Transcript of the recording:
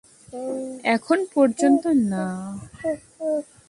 এখন পর্যন্ত, না।